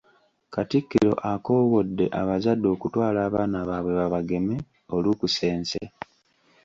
Katikkiro akoowodde abazadde okutwala abaana baabwe babageme olukusense.